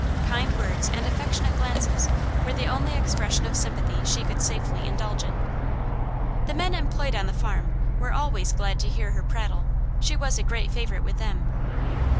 Kind words and affectionate glances were the only expressions of sympathy she could safely indulge in. The men employed on the farm were always glad to hear her prattle; she was a great favorite with them.